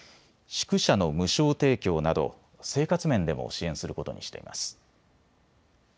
宿舎の無償提供など生活面でも支援することにしています。